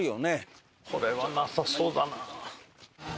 これはなさそうだな。